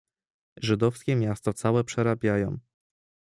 "Żydowskie miasto całe przerabiają."